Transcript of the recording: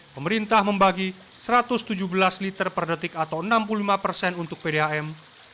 pemerintah membagi satu ratus tujuh belas liter per detik atau enam puluh lima persen untuk pdam